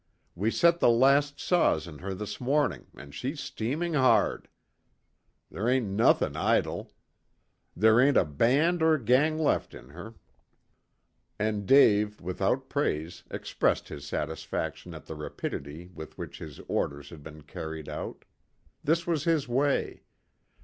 "We set the last saws in her this mornin' an' she's steaming hard. Ther' ain't nothin' idle. Ther' ain't a' band' or 'gang' left in her." And Dave without praise expressed his satisfaction at the rapidity with which his orders had been carried out. This was his way.